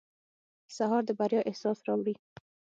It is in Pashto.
سهار د بریا احساس راوړي.